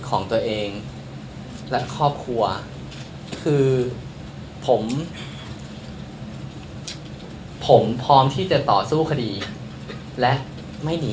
ของตัวเองและครอบครัวคือผมผมพร้อมที่จะต่อสู้คดีและไม่หนี